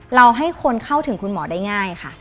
เราให้คนเข้าถึงคุณหมอได้ง่ายค่ะ